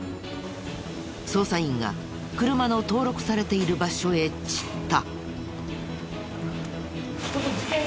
捜査員が車の登録されている場所へ散った。